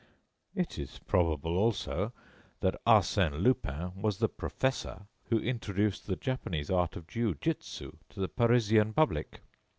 It is probable, also, that Arsène Lupin was the professor who introduced the Japanese art of jiu jitsu to the Parisian public.